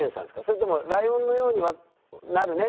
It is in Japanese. それとも「ライオンのようになるね」